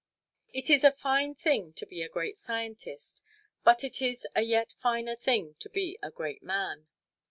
It is a fine thing to be a great scientist, but it is a yet finer thing to be a great man.